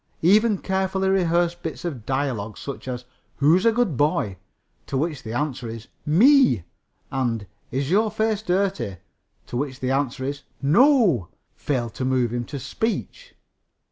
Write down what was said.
Even carefully rehearsed bits of dialogue such as "Who's a good boy?" to which the answer is "Me," and "Is your face dirty," to which the answer is "No," failed to move him to speech.